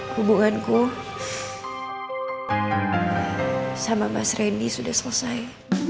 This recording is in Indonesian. hubunganku sama mas randy sudah selesai